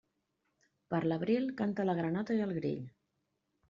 Per l'abril, canta la granota i el grill.